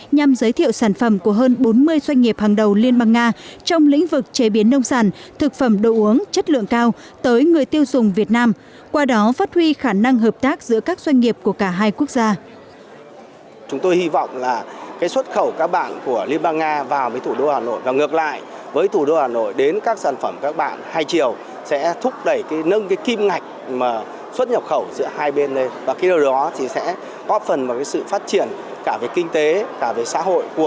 nhằm giới thiệu sản phẩm của hơn bốn mươi doanh nghiệp hàng đầu liên bang nga trong lĩnh vực chế biến nông sản thực phẩm đồ uống chất lượng cao tới người tiêu dùng việt nam qua đó phát huy khả năng hợp tác giữa các doanh nghiệp của cả hai quốc gia